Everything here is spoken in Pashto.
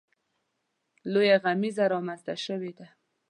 لویه غمیزه رامنځته شوې ده.